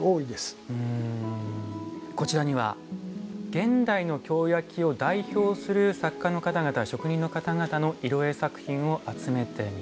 こちらには現代の京焼を代表する作家の方々職人の方々の色絵作品を集めてみました。